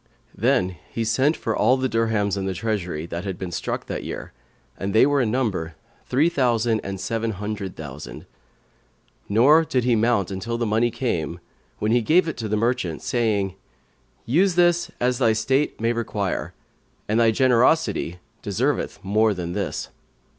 Then he sent for all the dirhams in the treasury, that had been struck that year (and they were in number three thousand and seven hundred thousand); nor did he mount until the money came, when he gave it to the merchant, saying, "Use this as thy state may require; and thy generosity deserveth more than this."